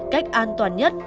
cách an toàn nhất